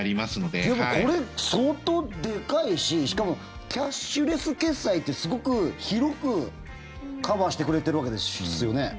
でもこれ、相当でかいししかもキャッシュレス決済ってすごく広くカバーをしてくれてるわけですよね。